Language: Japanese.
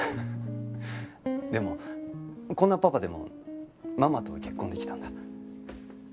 でもこんなパパでもママと結婚できたんだ。